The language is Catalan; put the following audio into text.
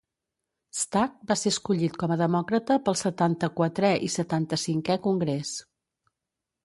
Stack va ser escollit com a demòcrata pel setanta-quatrè i setanta-cinquè congrés.